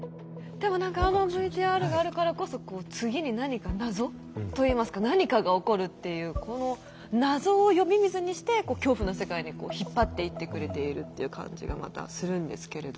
でも何かあのＶＴＲがあるからこそ次に何か謎といいますか何かが起こるっていうこの謎を呼び水にしてこう恐怖の世界に引っ張っていってくれているって感じがまたするんですけれども。